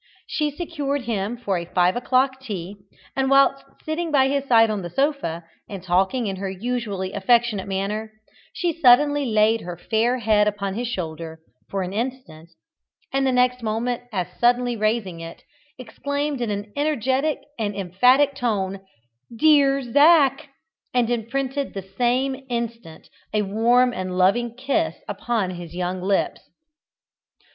She secured him for a five o'clock tea, and whilst sitting by his side on the sofa, and talking in her usually affectionate manner, she suddenly laid her fair head upon his shoulder for an instant, and the next moment as suddenly raising it, exclaimed in an energetic and emphatic tone: "Dear Zac!" and imprinted at the same instant a warm and loving kiss upon his young lips.